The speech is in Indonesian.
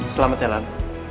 selamat ya lan